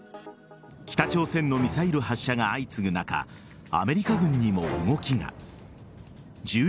北朝鮮のミサイル発射が相次ぐ中アメリカ軍にも動きが。